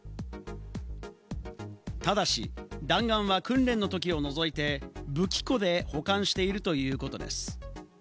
ただし、弾丸は訓練のときを除いて武器庫で保管しているということです。